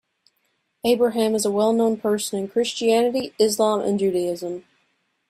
Abraham is a well known person in Christianity, Islam and Judaism.